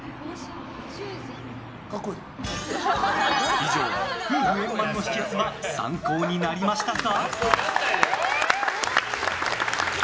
以上、夫婦円満の秘訣は参考になりましたか？